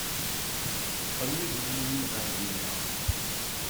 Qel ihi a mmi ɣer dinna.